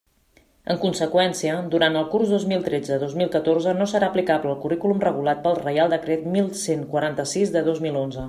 En conseqüència, durant el curs dos mil tretze dos mil catorze no serà aplicable el currículum regulat pel Reial decret mil cent quaranta-sis de dos mil onze.